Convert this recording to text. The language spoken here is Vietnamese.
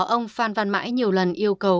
ông phan văn mãi nhiều lần yêu cầu